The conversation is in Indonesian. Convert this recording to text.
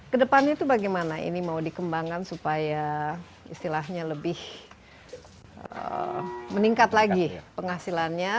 kedepannya itu bagaimana ini mau dikembangkan supaya istilahnya lebih meningkat lagi penghasilannya